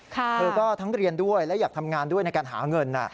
เธอก็ทั้งเรียนด้วยและอยากทำงานด้วยในการหาเงิน